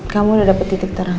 kamu udah dapet titik terang